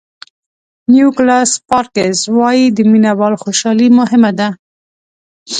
نیکولاس سپارکز وایي د مینه وال خوشالي مهمه ده.